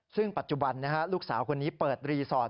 ซึ่งปัจจุบันลูกสาวคนนี้เปิดรีสอร์ท